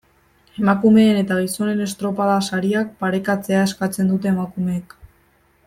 Emakumeen eta gizonen estropada-sariak parekatzea eskatzen dute emakumeek.